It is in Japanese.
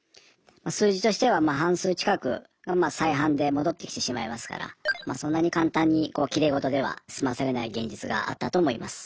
数字としては半数近くが再犯で戻ってきてしまいますからそんなに簡単にきれい事では済まされない現実があったと思います。